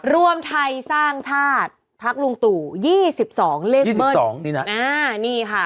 รวมไทยสร้างชาติพักลุงตู่๒๒เลขเมื่อ